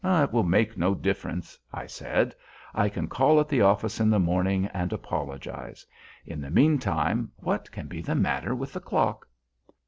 "It will make no difference," I said: "I can call at the office in the morning and apologize; in the meantime what can be the matter with the clock?"